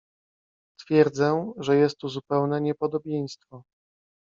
"Twierdzę, że jest tu zupełne niepodobieństwo."